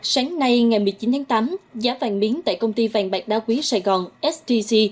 sáng nay ngày một mươi chín tháng tám giá vàng miếng tại công ty vàng bạc đá quý sài gòn sgc